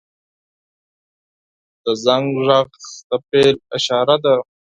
• د زنګ غږ د پیل اشاره ده.